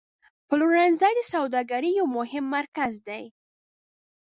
پلورنځی د سوداګرۍ یو مهم مرکز دی.